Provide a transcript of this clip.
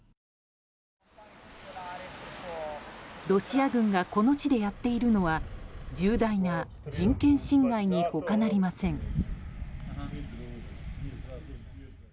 ロシア軍がこの地でやっているのは重大な人権侵害に他なりません。